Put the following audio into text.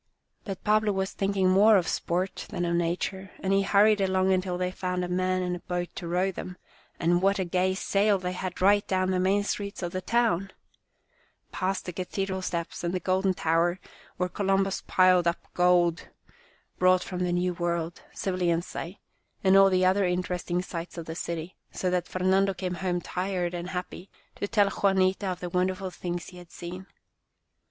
But Pablo was thinking more of sport than of nature, and he hurried along until they found a man and a boat to row them, and what a gay sail they had right down the main streets of the town ! Past the cathedral steps and the Golden Tower where Columbus piled up gold 86 Our Little Spanish Cousin brought from the New World, Sevillians say, and all the other interesting sights of the city, so that Fernando came home tired and happy, to tell Juanita of the wonderful things he had seen.